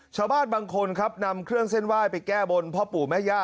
ชาวบ้านบางคนครับนำเครื่องเส้นไหว้ไปแก้บนพ่อปู่แม่ย่า